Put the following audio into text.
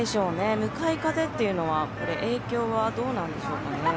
向かい風っていうのはこれ影響はどうなんでしょうかね。